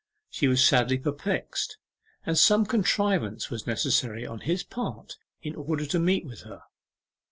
She was sadly perplexed, and some contrivance was necessary on his part in order to meet with her.